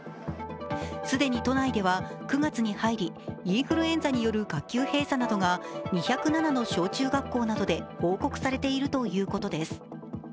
既に都内では９月に入りインフルエンザによる学級閉鎖などが２０７の小中学校などで報告されているということです。